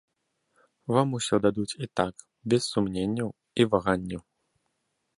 Вам усё дадуць і так без сумненняў і ваганняў.